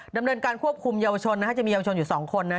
ดำเนินการควบคุมเยาวชนจะมีเยาวชนอยู่๒คน